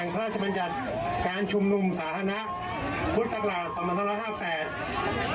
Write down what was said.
แข่งพระราชบัญญัติการชุมนุมสาธารณะพุทธศักราชต่อมาทั้งละห้าแสด